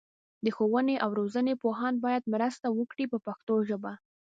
د ښوونې او روزنې پوهان باید مرسته وکړي په پښتو ژبه.